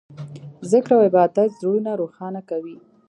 ذکر او عبادت زړونه روښانه کوي.